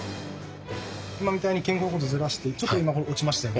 今みたいに肩甲骨をずらしてちょっと今落ちましたよね？